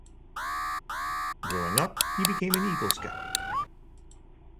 Growing up, he became an Eagle Scout.